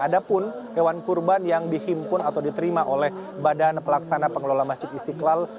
ada pun hewan kurban yang dihimpun atau diterima oleh badan pelaksana pengelola masjid istiqlal